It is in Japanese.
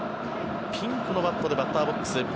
ピンクのバットでバッターボックス。